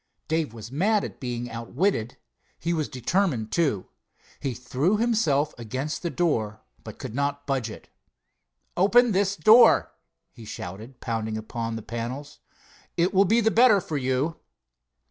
Dave was mad at being outwitted. He was determined, too. He threw himself against the door, but could not budge it. "Open this door!" he shouted, pounding upon the panels. "It will be the better for you."